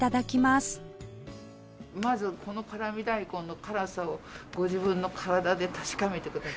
まずこの辛味大根の辛さをご自分の体で確かめてください。